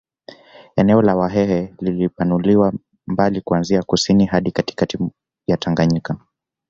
Eneo la Wahehe lilipanuliwa mbali kuanzia kusini hadi katikati ya Tangayika